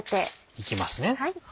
いきますね。